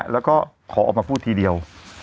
แล้วก็ขอออกมาพูดทีเดียว